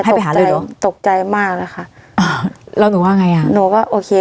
ให้ไปหาเลยเนอะตกใจมากเลยค่ะอ่าแล้วหนูว่าไงอ่ะหนูก็โอเค